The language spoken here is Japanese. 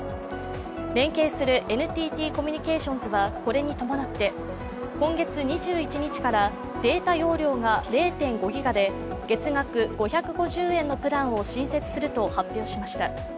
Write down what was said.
連携するＮＴＴコミュニケーションズはこれに伴って今月２１日からデータ容量が０．５ギガで月額５５０円のプランを新設すると発表しました。